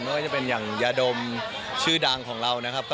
ไม่ว่าจะเป็นอย่างยาดมชื่อดังของเรานะครับ